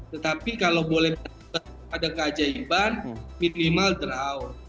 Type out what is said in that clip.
tetapi kalau boleh berhasil pada keajaiban minimal draw